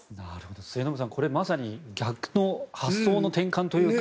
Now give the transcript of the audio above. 末延さん、これまさに発想の転換というか。